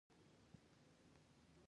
د افغانستان ملي ژبې پښتو او دري دي